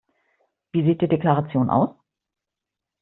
Wie sieht die Deklaration aus?